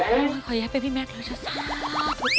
โอ้ยคอยให้เป็นพี่แม็กซ์เลยเจ้าซาก